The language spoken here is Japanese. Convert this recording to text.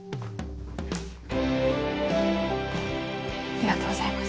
ありがとうございます。